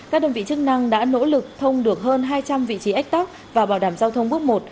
các đơn vị chức năng đã nỗ lực thông được hơn hai trăm linh vị trí ách tắc và bảo đảm giao thông bước một